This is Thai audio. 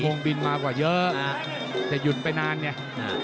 โอ้สุดพงษ์บินมากว่าเยอะแต่หยุดไปนานเนี่ย